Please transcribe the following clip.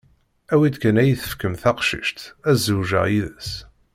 Awi-d kan ad yi-tefkem taqcict, ad zewǧeɣ yid-s.